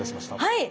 はい。